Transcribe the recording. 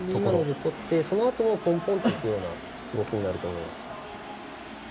そのあと、ポンポンといくような動きになると思います。